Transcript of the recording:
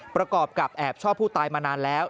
ประกอบกับแอบชอบผู้ตายมานานแล้ว